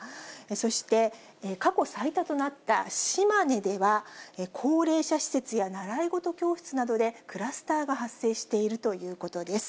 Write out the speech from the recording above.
そして過去最多となった島根では、高齢者施設や習い事教室などでクラスターが発生しているということです。